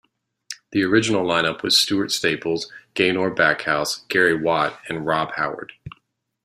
The original line-up was Stuart Staples, Gaynor Backhouse, Gary Watt and Rob Howard.